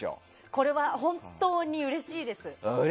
これは本当にうれしいです。